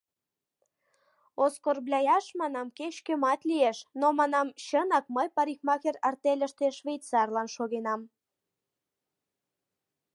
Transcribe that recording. — Оскорбляяш, манам, кеч-кӧмат лиеш, но, манам, чынак, мый парикмахер артельыште швейцарлан шогенам.